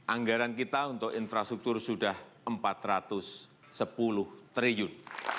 dua ribu delapan belas anggaran kita untuk infrastruktur sudah rp empat ratus sepuluh triliun